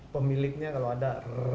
pemiliknya kalau ada